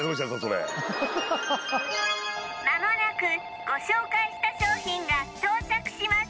それ間もなくご紹介した商品が到着します